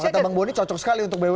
kalau bang buni cocok sekali untuk bumn